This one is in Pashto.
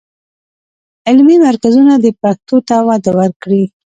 علمي مرکزونه دې پښتو ته وده ورکړي.